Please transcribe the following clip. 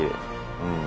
うん。